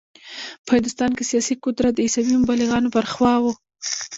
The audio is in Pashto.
په هندوستان کې سیاسي قدرت د عیسوي مبلغانو پر خوا و.